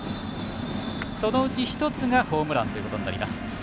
そのうち１つがホームランということになります。